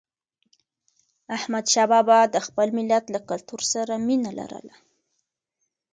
احمدشاه بابا د خپل ملت له کلتور سره مینه لرله.